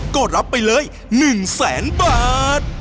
ก็รับไปเลย๑แสนบาท